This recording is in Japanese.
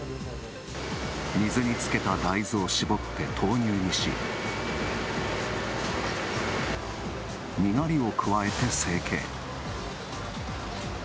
水につけた大豆をしぼって豆乳にしにがりを加えて成形。